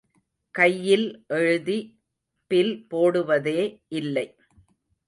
கையில் எழுதி பில் போடுவதே இல்லை.